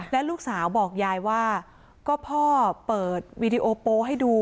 แล้วลูกสาวบอกยายว่าก็พ่อเปิดวีดีโอโป๊ให้ดู